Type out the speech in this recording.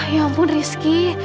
ya ampun rizky